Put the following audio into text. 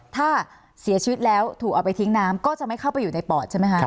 ถ้าเสียชีวิตแล้วถูกเอาไปทิ้งน้ำก็จะไม่เข้าไปอยู่ในปอดใช่ไหมคะ